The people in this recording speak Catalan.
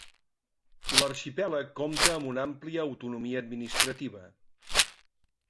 L'arxipèlag compta amb una àmplia autonomia administrativa.